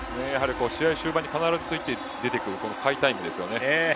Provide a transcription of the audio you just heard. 試合終盤に必ず出てくる甲斐タイムですよね。